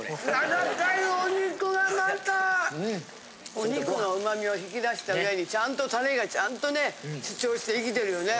お肉の旨みを引き出した上にちゃんとたれがちゃんとね主張して生きてるよね。